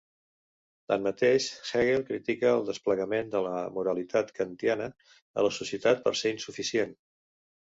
Tanmateix, Hegel critica el desplegament de la moralitat kantiana a la societat per ser insuficient.